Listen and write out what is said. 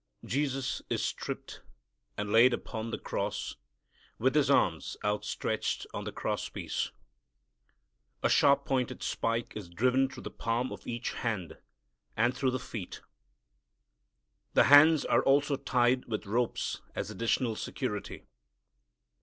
Jesus is stripped and laid upon the cross with His arms, outstretched on the cross piece. A sharp pointed spike is driven through the palm of each hand and through the feet. The hands are also tied with ropes as additional security.